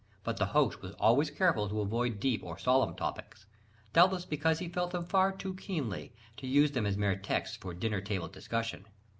But the host was always careful to avoid deep or solemn topics doubtless because he felt them far too keenly, to use them as mere texts for dinner table discussion.